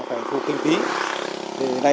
nó phải thu kinh phí